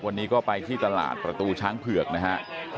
วันนี้ก็ไปที่ตลาดประตูช้างเผือกนะฮะ